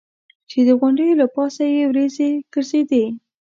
چې د غونډیو له پاسه یې ورېځې ګرځېدې.